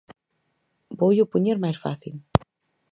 Voullo poñer máis fácil.